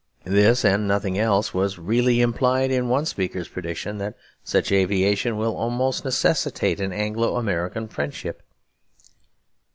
This and nothing else was really implied in one speaker's prediction that such aviation will almost necessitate an Anglo American friendship.